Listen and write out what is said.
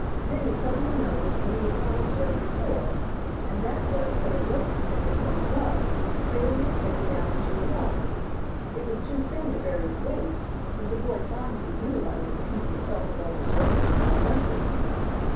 Then he suddenly noticed what he had not observed before, and that was that a rope depended from above, trailing its end down into the water. It was too thin to bear his weight, but the boy thought he could utilize it to keep himself above the surface without effort.